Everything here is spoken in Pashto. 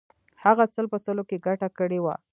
هغه سل په سلو کې ګټه کړې وه.